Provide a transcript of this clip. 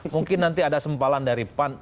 mungkin nanti ada sempalan dari pan